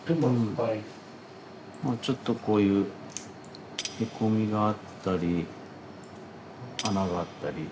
ちょっとこういうへこみがあったり穴があったり。